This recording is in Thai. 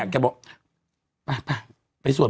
เบลล่าเบลล่า